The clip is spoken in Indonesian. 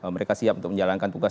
mereka siap untuk menjalankan tugas